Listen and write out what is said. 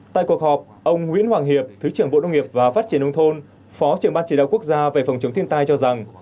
tại cuộc họp ông nguyễn hoàng hiệp thứ trưởng bộ nông nghiệp và phát triển nông thôn phó trưởng ban chỉ đạo quốc gia về phòng chống thiên tai cho rằng